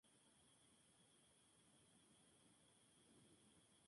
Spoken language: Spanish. Estos trajes fueron diseñados por Gay Severin y recibieron el nombre de "Sokol".